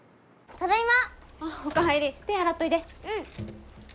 ただいま。